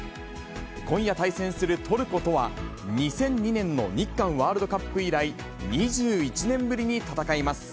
今夜対戦するトルコとは、２００２年の日韓ワールドカップ以来２１年ぶりに戦います。